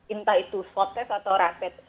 entah itu swab test atau rapid